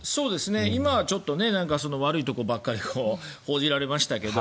今はちょっと悪いところばっかり報じられましたけど